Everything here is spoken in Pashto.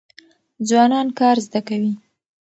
ځوانان کار زده کوي.